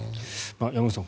山口さん